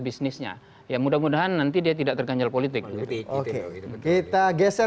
bisa selesai ini kita